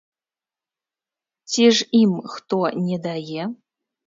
Ці ж ім хто не дае?